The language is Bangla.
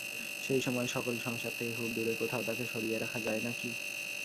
সেই সময়ে সকল সংসার থেকে খুব দূরে কোথাও তাকে সরিয়ে রাখা যায় না কি?